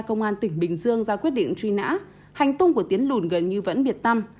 công an tỉnh bình dương ra quyết định truy nã hành tung của tiến lùn gần như vẫn biệt tâm